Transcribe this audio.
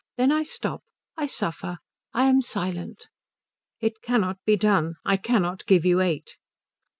Then I stop. I suffer. I am silent." "It cannot be done. I cannot give you eight."